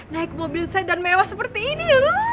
naik mobil sedan mewah seperti ini